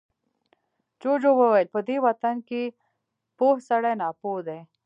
جوجو وويل، په دې وطن کې پوه سړی ناپوه دی.